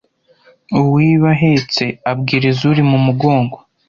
Uwiba ahetse abwiriza uri mu mugongo